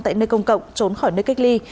tại nơi công cộng trốn khỏi nơi cách ly